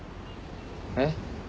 えっ？